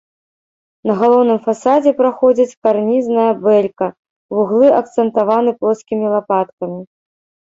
На галоўным фасадзе праходзіць карнізная бэлька, вуглы акцэнтаваны плоскімі лапаткамі.